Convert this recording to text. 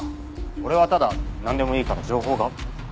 俺はただなんでもいいから情報が。